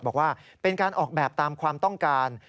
บอกว่าเป็นการออกแบบตามความต้องการ